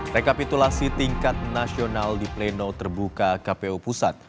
rekapitulasi tingkat nasional di pleno terbuka kpu pusat